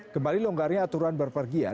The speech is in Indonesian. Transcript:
kembali longgarnya aturan berpergian